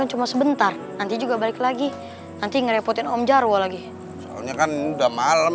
cuma sebentar nanti juga balik lagi nanti ngerepotin om jaru lagi soalnya kan udah malam